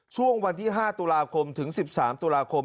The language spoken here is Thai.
ช่วงวันที่๕ตุลาคมถึง๑๓ตุลาคม